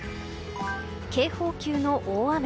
警報級の大雨。